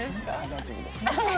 大丈夫です。